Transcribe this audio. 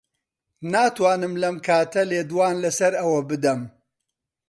ناتوانم لەم کاتە لێدوان لەسەر ئەوە بدەم.